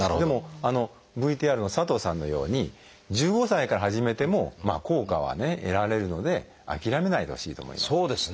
でもＶＴＲの佐藤さんのように１５歳から始めても効果は得られるので諦めないでほしいと思います。